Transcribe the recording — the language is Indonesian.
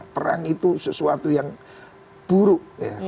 perang itu sesuatu yang buruk